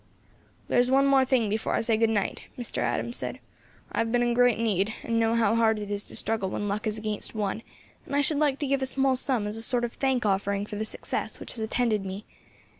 "There is one more thing before I say good night," Mr. Adams said. "I have been in great need, and know how hard it is to struggle when luck is against one, and I should like to give a small sum as a sort of thank offering for the success which has attended me.